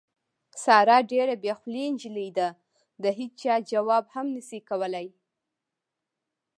ساره ډېره بې خولې نجیلۍ ده، د هېچا ځواب هم نشي کولی.